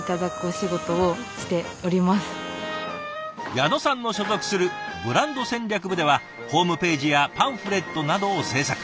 矢野さんの所属するブランド戦略部ではホームページやパンフレットなどを制作。